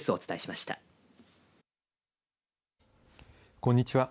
こんにちは。